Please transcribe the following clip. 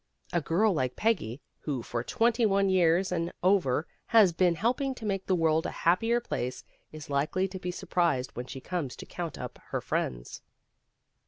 A girl like Peggy, who for twenty one years and over has been helping to make the world a happier place, is likely to be surprised when she comes to count up her friends.